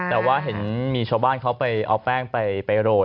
แต่ว่าเห็นมีชาวบ้านเขาไปเอาแป้งไปโรย